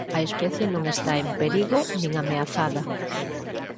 A especie non está en perigo nin ameazada.